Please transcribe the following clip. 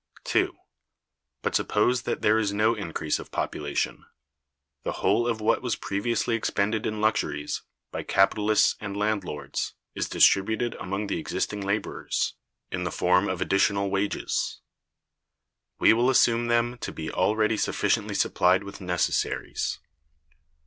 (2.) But suppose that there is no increase of population. The whole of what was previously expended in luxuries, by capitalists and landlords, is distributed among the existing laborers, in the form of additional wages. We will assume them to be already sufficiently supplied with necessaries.